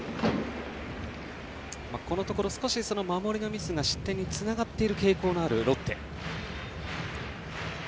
このところ守りのミスが失点につながっている傾向のあるロッテ。